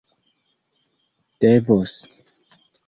devos